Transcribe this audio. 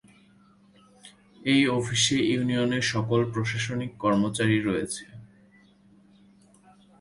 এই অফিসে ইউনিয়নের সকল প্রশাসনিক কর্মচারী রয়েছে।